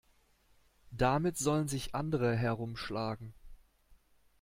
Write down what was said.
Damit sollen sich andere herumschlagen.